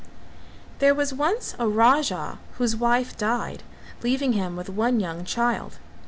There was once a Raja whose wife died leaving him with one young child.